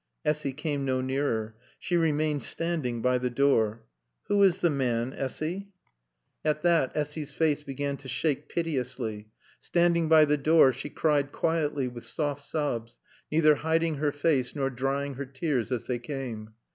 Essy came no nearer. She remained standing by the door. "Who is the man, Essy?" At that Essy's face began to shake piteously. Standing by the door, she cried quietly, with soft sobs, neither hiding her face nor drying her tears as they came.